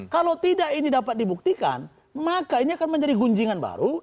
kalau tidak ini dapat dibuktikan maka ini akan menjadi gunjingan baru